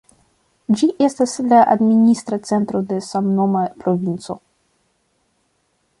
Ĝi estas la administra centro de samnoma provinco.